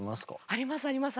ありますあります。